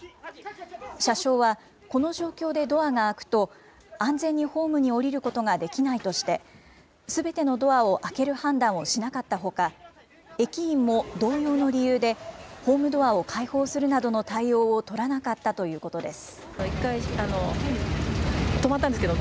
車掌は、この状況でドアが開くと、安全にホームに降りることができないとして、すべてのドアを開ける判断をしなかったほか、駅員も同様の理由で、ホームドアを開放するなどの対応を取らなかったということです。